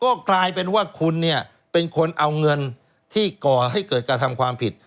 ก็กลายเป็นว่าคุณเนี่ยเป็นคนเอาเงินที่ก่อให้เกิดกระทำความผิด